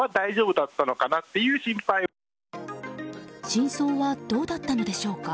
真相はどうだったのでしょうか。